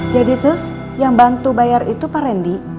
jadi sus yang bantu bayar itu pak randy